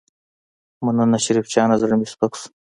مننه شريف جانه زړه مې سپک شو.